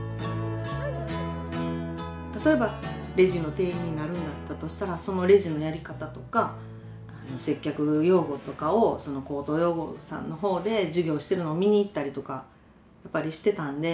例えばレジの店員になるんだったとしたらそのレジのやり方とか接客用語とかを高等養護さんの方で授業してるのを見に行ったりとかやっぱりしてたんで。